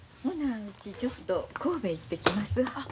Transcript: ほなうちちょっと神戸行ってきますわ。